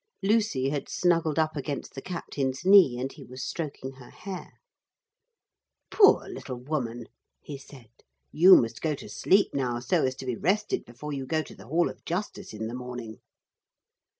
Lucy had smuggled up against the captain's knee, and he was stroking her hair. 'Poor little woman,' he said. 'You must go to sleep now, so as to be rested before you go to the Hall of Justice in the morning.'